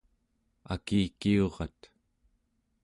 akikiurat